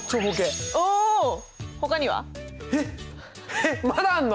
えっまだあんの？